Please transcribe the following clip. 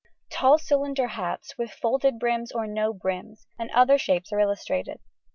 Tall cylinder hats, with folded brims or no brim, and other shapes are illustrated.